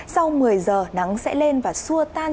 sau một mươi giờ nắng sẽ lên và xua tan